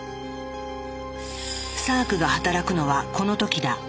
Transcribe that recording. サークが働くのはこの時だ。